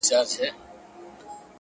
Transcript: • بېله پوښتني ځي جنت ته چي زکات ورکوي ,